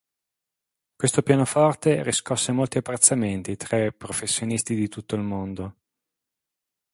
Questo pianoforte riscosse molti apprezzamenti tra i professionisti di tutto il mondo.